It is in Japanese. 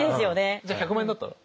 じゃあ１００万円だったら？